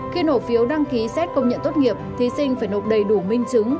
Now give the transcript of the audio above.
ba khi nổ phiếu đăng ký xét công nhận tốt nghiệp thí sinh phải nộp đầy đủ minh chứng